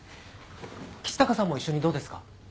橘高さんも一緒にどうですか？